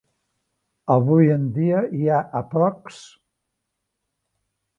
Avui en dia hi ha aprox.